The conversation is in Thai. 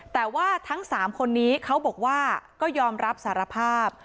แต่ว่าทั้ง๓คนนี้เขาบอกว่าก็ยอมรับสารภาพ